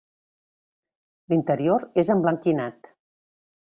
L'interior és emblanquinat.